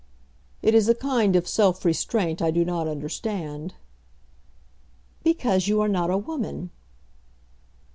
"It is a kind of self restraint I do not understand." "Because you are not a woman."